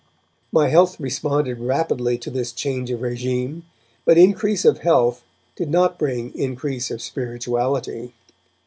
My health responded rapidly to this change of regime, but increase of health did not bring increase of spirituality.